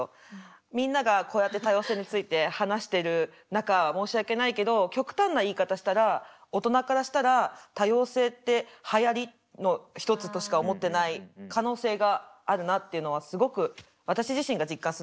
みんながこうやって多様性について話してる中申し訳ないけど極端な言い方したら大人からしたら多様性ってはやりの一つとしか思ってない可能性があるなっていうのはすごく私自身が実感するんだけど。